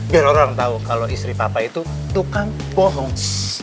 biar orang tau kalo istri papa itu tukang kebohongan lainnya itu tuh kan